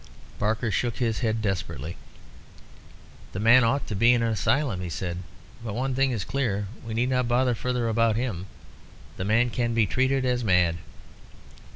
Barker shook his head desperately. "The man ought to be in an asylum," he said. "But one thing is clear we need not bother further about him. The man can be treated as mad."